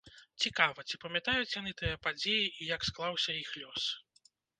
Цікава, ці памятаюць яны тыя падзеі і як склаўся іх лёс?